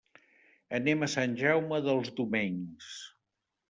Anem a Sant Jaume dels Domenys.